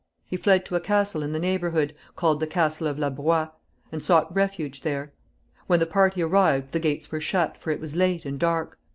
He fled to a castle in the neighborhood, called the Castle of La Broye, and sought refuge there. When the party arrived the gates were shut, for it was late and dark.